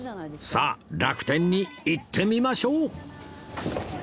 さあ楽天に行ってみましょう！